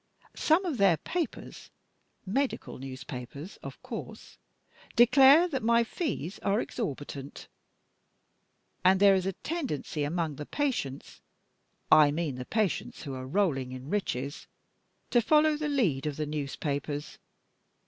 Some of their papers, medical newspapers, of course, declare that my fees are exorbitant; and there is a tendency among the patients I mean the patients who are rolling in riches to follow the lead of the newspapers.